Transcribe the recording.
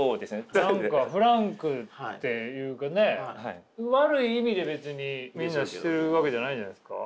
何かフランクっていうかね悪い意味で別にみんなしてるわけじゃないじゃないですか？